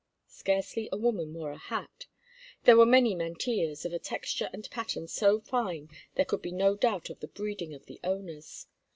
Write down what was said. Scarcely a woman wore a hat. There were many mantillas, of a texture and pattern so fine there could be no doubt of the breeding of the owners.